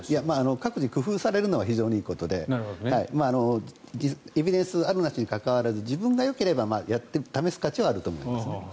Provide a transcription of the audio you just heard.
各自、工夫されるのは非常にいいことでエビデンスがあるなしにかかわらず自分がよければ試す価値はあると思いますね。